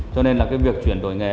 cho nên là cái việc chuyển đổi nghề